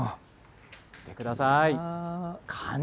見てください。